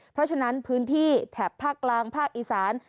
เพราะฉะนั้นพื้นที่แถบภาคกลางภาคอีสาน